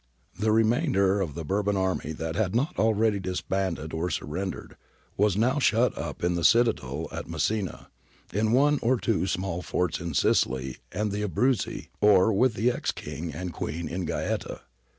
^ The remainder of the Bourbon army that had not already disbanded or surrendered, was now shut up in the citadel of Messina, in one or two small forts in Sicily and the Abruzzi, or with the ex King and Queen in Gaeta.